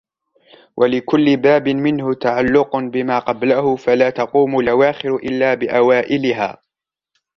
وَلِكُلِّ بَابٍ مِنْهُ تَعَلُّقٌ بِمَا قَبْلَهُ فَلَا تَقُومُ الْأَوَاخِرُ إلَّا بِأَوَائِلِهَا